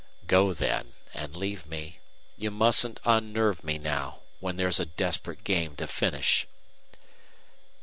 "Go, then and leave me. You mustn't unnerve me now, when there's a desperate game to finish."